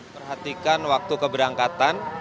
perhatikan waktu keberangkatan